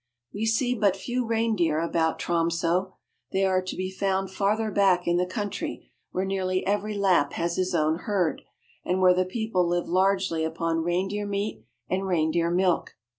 We see but few reindeer about Tromso. They are to be found farther back in the country, where nearly every Lapp has his own herd, and where the people live largely upon reindeer meat and reindeer milk.